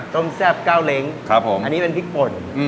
แซ่บเก้าเล้งอันนี้เป็นพริกป่น